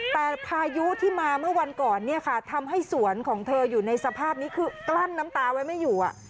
แต่พายุที่มาเมื่อวันก่อนเนี่ยค่ะทำให้สวนของเธออยู่ในสภาพนี้คือกลั้นน้ำตาไว้ไม่อยู่